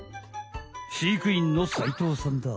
飼育員の齊藤さんだ。